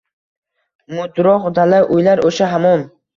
Mudroq dala uylar osha hamon